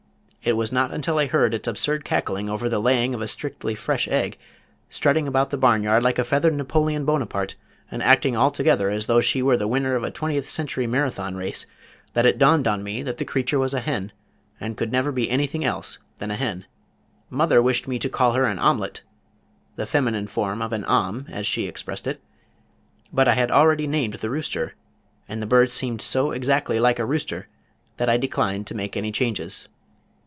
It was not until I heard its absurd cackling over the laying of a strictly fresh egg, strutting about the barn yard like a feathered Napoleon Bonaparte, and acting altogether as though she were the winner of a Twentieth Century Marathon race that it dawned on me that the creature was a hen, and could never be anything else than a hen. Mother wished me to call her an omelette, the feminine form of an om, as she expressed it, but I had already named the rooster, and the bird seemed so exactly like a rooster that I declined to make any changes."